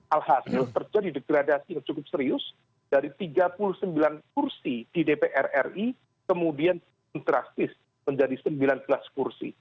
alhasil terjadi degradasi yang cukup serius dari tiga puluh sembilan kursi di dpr ri kemudian drastis menjadi sembilan belas kursi